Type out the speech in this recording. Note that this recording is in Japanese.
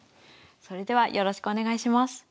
それではよろしくお願いします。